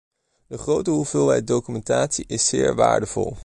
De grote hoeveelheid documentatie is zeer waardevol.